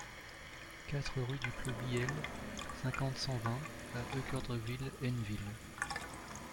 quatre rue du Clos Bihel, cinquante, cent vingt à Équeurdreville-Hainneville